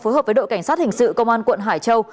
phối hợp với đội cảnh sát hình sự công an quận hải châu